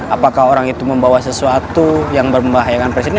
apakah orang itu membawa sesuatu yang membahayakan presiden